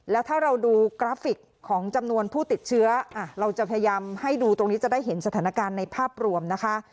แล้วถ้าเราดูกราฟิกของจำนวนผู้ติดเชื้อเราจะพยายามให้ดูตรงนี้จะได้เห็นสถานการณ์ในภาพรวมนะคะ